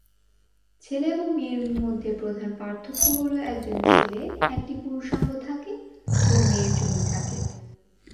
ছেলে এবং মেয়ের মধ্যে প্রধান পার্থক্য হল একজন ছেলের একটি পুরুষাঙ্গ থাকে এবং মেয়ের যোনি থাকে।